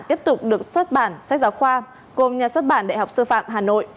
tiếp tục được xuất bản sách giáo khoa gồm nhà xuất bản đại học sư phạm hà nội